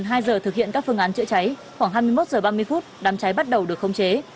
sau gần hai giờ thực hiện các phương án chữa cháy khoảng hai mươi một giờ ba mươi phút đám cháy bắt đầu được không chế